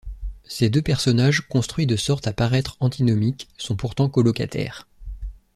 Ces deux personnages construits de sorte à paraitre antinomiques sont pourtant colocataires.